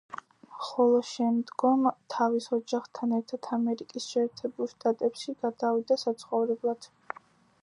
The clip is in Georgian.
ხოლო შემდგომ თავის ოჯახთან ერთად ამერიკის შეერთებულ შტატებში გადავიდა საცხოვრებლად.